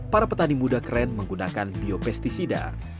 para petani muda keren menggunakan biopesticida